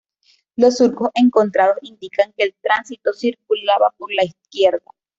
Los surcos encontrados indican que el tránsito circulaba por la izquierda.